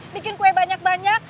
bikin kue banyak banyak